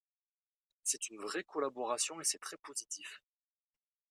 C’est une vraie collaboration et c’est très positif.